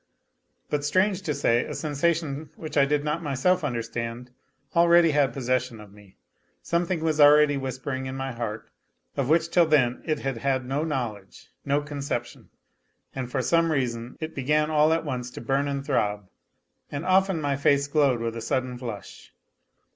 But strange to say, a sensa tion which I did not myself understand already had possession of me ; something was already whispering in my heart, of which till then it had had no knowledge, no conception, and for some reason it began all at once to burn and throb, and often my face glowed with a sudden flush.